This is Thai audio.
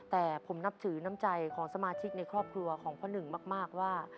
แต่ผมนับถือน้ำใจของสมาชิกในครอบครัวของพ่อหนึ่งมากว่า